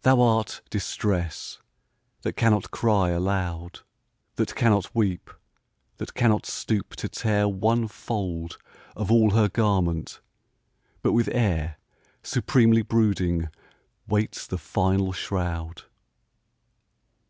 Thou art Distress — ^that cannot cry alou<^ That cannot weep, that cannot stoop to tear One fold of all her garment, but with air Supremely brooding waits the final shroud